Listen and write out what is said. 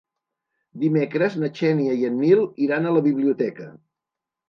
Dimecres na Xènia i en Nil iran a la biblioteca.